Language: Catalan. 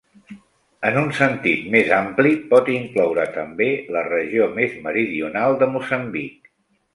En un sentit més ampli pot incloure també la regió més meridional de Moçambic.